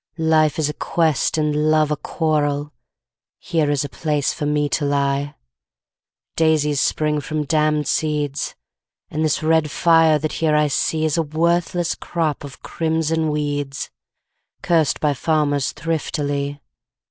Life is a quest and love a quarrel Here is a place for me to lie. Daisies spring from damned seeds, And this red fire that here I see Is a worthless crop of crimson weeds, Cursed by farmers thriftily.